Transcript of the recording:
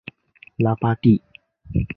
拉巴蒂。